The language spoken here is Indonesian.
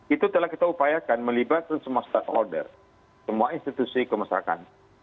itu telah kita upayakan melibatkan semua stakeholder semua institusi kemasyarakan